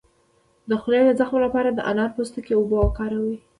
د خولې د زخم لپاره د انار د پوستکي اوبه وکاروئ